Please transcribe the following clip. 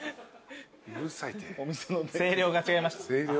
声量が違いました。